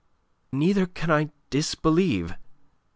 neither can I disbelieve.